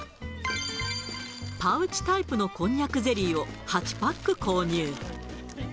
パウチタイプのこんにゃくゼリーを８パック購入。